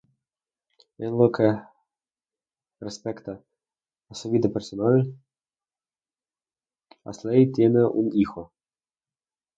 En lo que respecta a su vida personal, Ashley tiene un hijo.